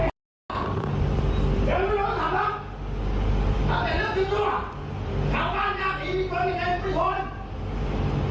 ถ้าเป็นเรื่องสิทธิวะข้าวบ้านยาพีมีคนไอ้ใครทุกทุกคน